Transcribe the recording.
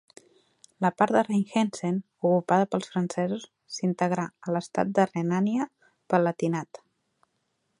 La part de Rheinhessen, ocupada pels francesos, s'integrà a l'estat de Renània-Palatinat.